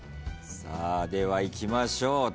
さあではいきましょう。